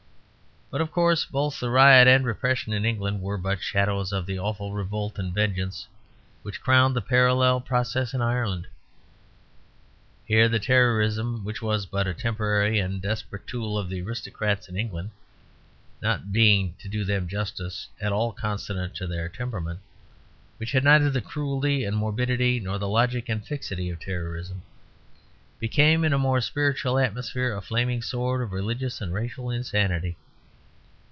But, of course, both the riot and repression in England were but shadows of the awful revolt and vengeance which crowned the parallel process in Ireland. Here the terrorism, which was but a temporary and desperate tool of the aristocrats in England (not being, to do them justice, at all consonant to their temperament, which had neither the cruelty and morbidity nor the logic and fixity of terrorism), became in a more spiritual atmosphere a flaming sword of religious and racial insanity.